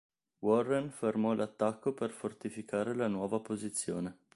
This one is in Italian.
Warren fermò l'attacco per fortificare la nuova posizione.